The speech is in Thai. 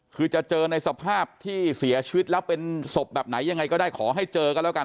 คือจะเจอในสภาพที่เสียชีวิตแล้วเป็นศพแบบไหนยังไงก็ได้ขอให้เจอกันแล้วกัน